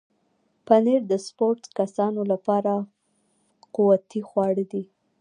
پنېر د سپورټس کسانو لپاره قوتي خواړه دي.